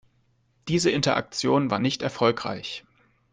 Diese Interaktion war nicht erfolgreich.